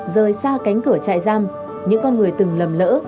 rời xa cánh cửa trại giam những con người từng lầm lỡ